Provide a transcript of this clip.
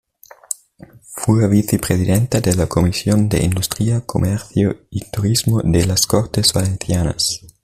Fue vicepresidenta de la Comisión de Industria, Comercio y Turismo de las Cortes Valencianas.